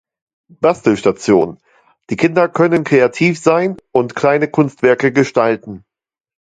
Bastelstation - die Kinder können kreativ sein und kleine Kunstwerke gestalten